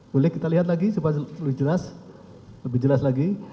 boleh kita lihat lagi supaya lebih jelas lebih jelas lagi